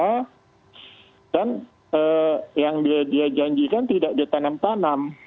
nah dan yang dia janjikan tidak ditanam tanam